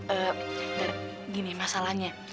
eee ntar gini masalahnya